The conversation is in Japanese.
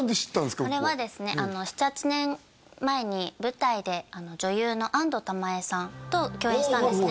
こここれはですね７８年前に舞台で女優の安藤玉恵さんと共演したんですね